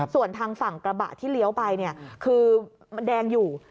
ส่วนทางฝั่งกระบะที่เลี้ยวไปคือมันแดงอยู่